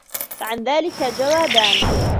فَعَنْ ذَلِكَ جَوَابَانِ